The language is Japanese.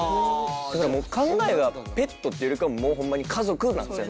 だからもう考えがペットというよりかはもうホンマに家族なんですよね。